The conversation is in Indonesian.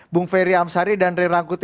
bung ferry amsari dan rirang kuti